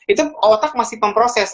itu otak masih pemproses